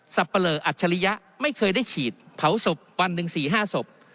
ปะเลออัจฉริยะไม่เคยได้ฉีดเผาศพวันหนึ่ง๔๕ศพ